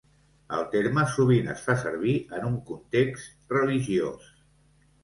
El terme sovint es fa servir en un context religiós.